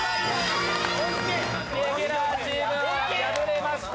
レギュラーチームは敗れました。